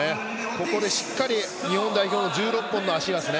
ここで、しっかり日本代表の１６本の足ですね。